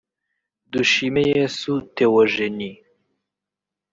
Dushimeyesu Theogenie